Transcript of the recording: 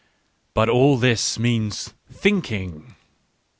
... But all this means thinking